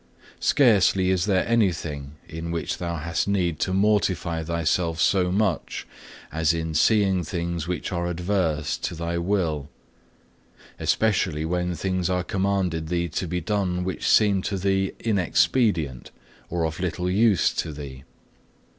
Scarcely is there anything in which thou hast need to mortify thyself so much as in seeing things which are adverse to thy will; especially when things are commanded thee to be done which seem to thee inexpedient or of little use to thee.